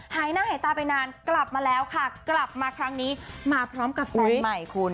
หายหน้าหายตาไปนานกลับมาแล้วค่ะกลับมาครั้งนี้มาพร้อมกับแฟนใหม่คุณ